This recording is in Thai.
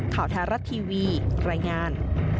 ข่าวธรรมดิการายงาน